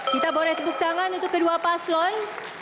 kita boleh tepuk tangan untuk kedua paslon